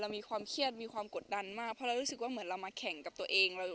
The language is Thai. มีความเครียดมีความกดดันมากเพราะเรารู้สึกว่าเหมือนเรามาแข่งกับตัวเอง